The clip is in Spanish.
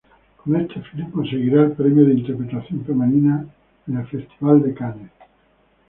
Con este film conseguirá el premio de interpretación femenina en el Festival de Cannes.